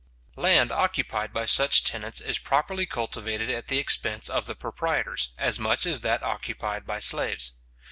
Land occupied by such tenants is properly cultivated at the expense of the proprietors, as much as that occupied by slaves.